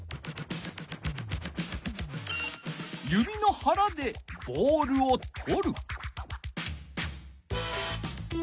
指のはらでボールをとる。